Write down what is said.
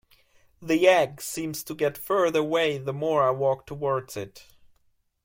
The egg seems to get further away the more I walk towards it.